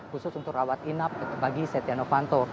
khusus untuk rawat inap bagi setia novanto